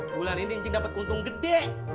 bulan ini incing dapet untung gede